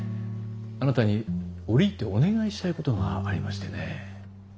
あなたに折り入ってお願いしたいことがありましてね。